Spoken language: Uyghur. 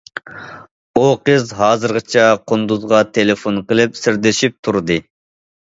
ئۇ قىز ھازىرغىچە قۇندۇزغا تېلېفون قىلىپ سىردىشىپ تۇردى.